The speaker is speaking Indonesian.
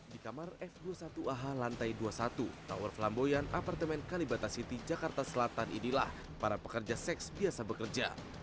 di kamar f dua puluh satu aha lantai dua puluh satu tower flamboyan apartemen kalibata city jakarta selatan inilah para pekerja seks biasa bekerja